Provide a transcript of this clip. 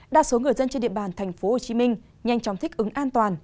đa số người dân trên địa bàn tp hcm nhanh chóng thích ứng an toàn